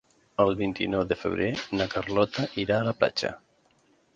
El vint-i-nou de febrer na Carlota irà a la platja.